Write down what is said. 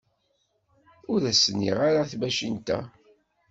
Ur as-ssineɣ ara i tmacint-a.